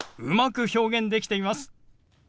うまく表現できています。